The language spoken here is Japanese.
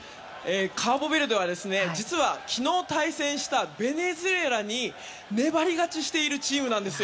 カーボベルデは実は昨日、対戦したベネズエラに粘り勝ちしているチームなんです。